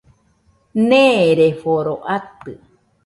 Neereforo atɨ